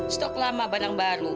stok lama badang baru